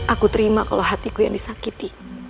aku terima kalau hatiku yang disakiti